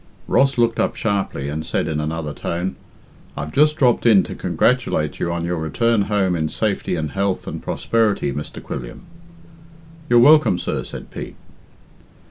Ross looked up sharply and said in another tone, "I've just dropped in to congratulate you on your return home in safety and health and prosperity, Mr. Quilliam." "You're welcome, sir," said Pete.